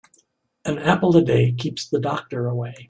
An apple a day keeps the doctor away.